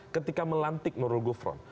ketika melantik nurul gufron